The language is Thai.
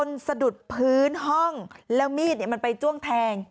มันเป็นวันเรียงมันเป็นวันเรียง